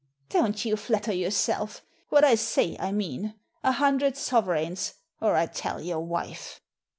" Don't you flatter yourself. What I say I mean. A hundred sovereigns, or I tell your wife."